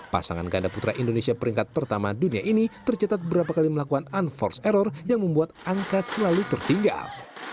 pasangan ganda putra indonesia peringkat pertama dunia ini tercatat beberapa kali melakukan unforce error yang membuat angka selalu tertinggal